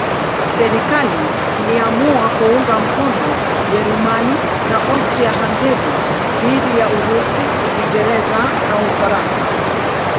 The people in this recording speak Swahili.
Serikali iliamua kuunga mkono Ujerumani na Austria-Hungaria dhidi ya Urusi, Uingereza na Ufaransa.